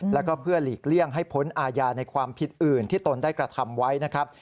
แล้วก็เพื่อหลีกเลี่ยงให้พ้นอาญาในความผิดอื่นที่ตนได้กระทำไว้นะครับ